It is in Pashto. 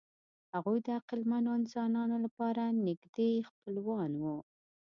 هغوی د عقلمنو انسانانو لپاره نږدې خپلوان وو.